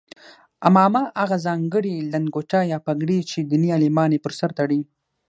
عمامه هغه ځانګړې لنګوټه یا پګړۍ چې دیني عالمان یې پر سر تړي.